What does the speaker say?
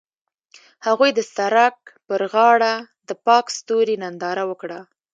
هغوی د سړک پر غاړه د پاک ستوري ننداره وکړه.